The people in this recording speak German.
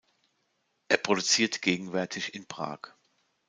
Er produziert gegenwärtig in Prag.